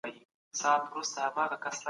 هیواد د اقتصادي بحران په لور روان و.